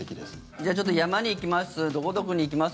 じゃあちょっと山に行きます